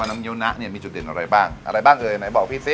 น้ำเงี้ยวนะมีจุดเด่นอะไรบ้างไหนบอกพี่ซิ